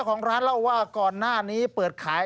ก่อนหน้านี้เปิดขาย